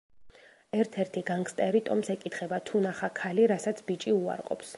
ერთ-ერთი განგსტერი ტომს ეკითხება თუ ნახა ქალი, რასაც ბიჭი უარყოფს.